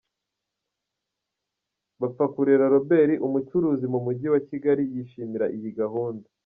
Bapfakurera Robert, umucuruzi mu Mujyi wa Kigali, yishimira iyi gahunda.